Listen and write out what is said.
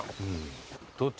どっち？